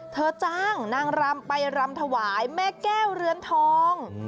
จ้างนางรำไปรำถวายแม่แก้วเรือนทอง